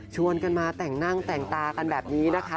กันมาแต่งนั่งแต่งตากันแบบนี้นะคะ